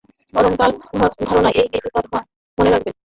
এবং তার ধারণা, এই মেয়েটি তা মনে রাখবে।